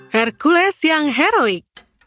hercules yang heroik